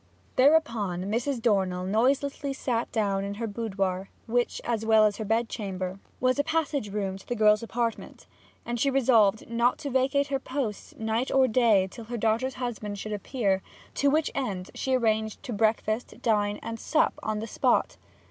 Thereupon Mrs. Dornell noiselessly sat down in her boudoir, which, as well as her bed chamber, was a passage room to the girl's apartment, and she resolved not to vacate her post night or day till her daughter's husband should appear, to which end she too arranged to breakfast, dine, and sup on the spot.